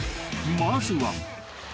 ［まずは］